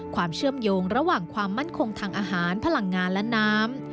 ความเชื่อมโยงระหว่างความมั่นคงทางอาหารพลังงานและน้ำ